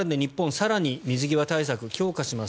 更に水際対策を強化します。